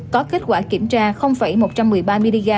có kết quả kiểm tra một trăm một mươi ba mg